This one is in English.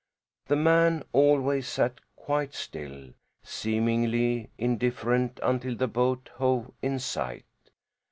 The man always sat quite still, seemingly indifferent, until the boat hove in sight.